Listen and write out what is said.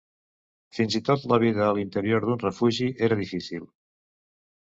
Fins i tot la vida a l'interior d'un refugi era difícil.